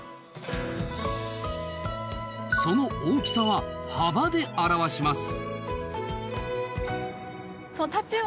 その大きさは幅で表します。